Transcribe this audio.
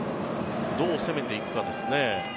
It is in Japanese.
どう攻めていくかですね。